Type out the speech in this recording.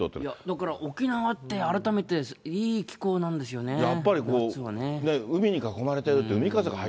だから、沖縄って改めていい気候なんですよね、夏はね。